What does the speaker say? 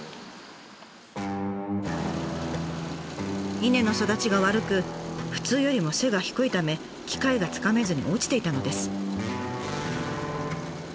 稲の育ちが悪く普通よりも背が低いため機械がつかめずに落ちていたのです。